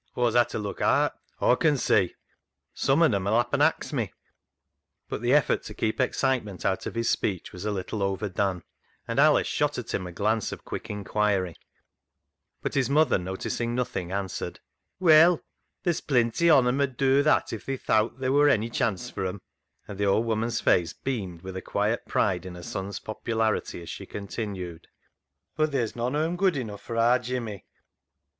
Aw'st ha' to look aat, Aw con see. Some on 'em '11 happen ax me." But the effort to keep excitement out of his speech was a little overdone, and Alice shot at him a glance of quick inquiry, but his mother, noticing nothing, answered —" Well, theer's plenty on 'em 'ud do that if they thowt ther' wor ony chance for 'em," and the old woman's face beamed with quiet pride in her son's popularity as she continued, '* But theer's nooan on 'em good enough for aar Jimmy."